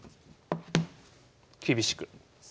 厳しく。